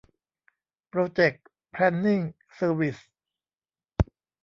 โปรเจค แพลนนิ่ง เซอร์วิส